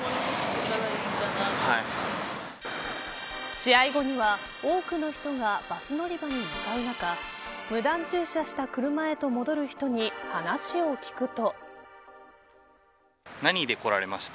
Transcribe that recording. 試合後には多くの人がバス乗り場に向かう中無断駐車した車へと戻る人に話を聞くと。